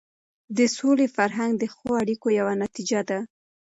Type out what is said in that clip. د سولې فرهنګ د ښو اړیکو یوه نتیجه ده.